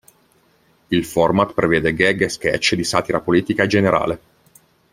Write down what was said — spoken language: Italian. Il format prevede gag e sketch di satira politica e generale.